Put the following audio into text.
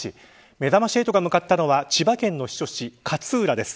めざまし８が向かったのは千葉県の避暑地、勝浦です。